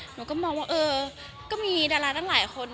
หนูก็มองว่าเออก็มีดาราตั้งหลายคน